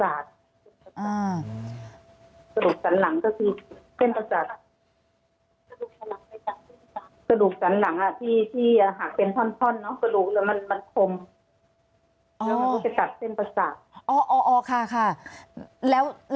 อันดับที่สุดท้าย